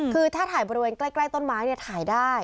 คือถ้าถ่ายบริเวณใกล้ต้นไม้เนี่ยถ่ายได้